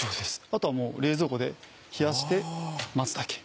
あとはもう冷蔵庫で冷やして待つだけ。